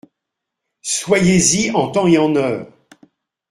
Soyez-y en temps et en heure !